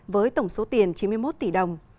với tổng số tiền chín mươi một tỷ đồng